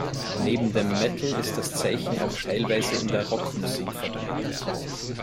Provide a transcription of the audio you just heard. Neben dem Metal ist das Zeichen auch teilweise in der Rockmusik verbreitet.